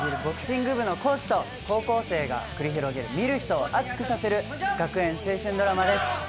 ボクシング部のコーチと高校生が繰り広げる見る人を熱くさせる学園青春ドラマです。